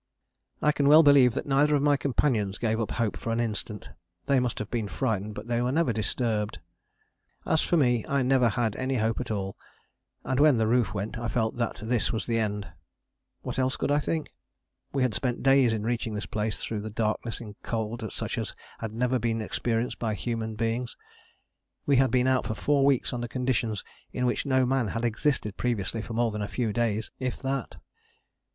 I can well believe that neither of my companions gave up hope for an instant. They must have been frightened but they were never disturbed. As for me I never had any hope at all; and when the roof went I felt that this was the end. What else could I think? We had spent days in reaching this place through the darkness in cold such as had never been experienced by human beings. We had been out for four weeks under conditions in which no man had existed previously for more than a few days, if that.